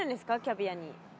キャビアに。